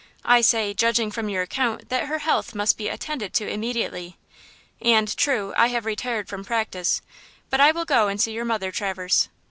I say, judging from your account, that her health must be attended to immediately. And–true I have retired from practice, but I will go and see your mother, Traverse."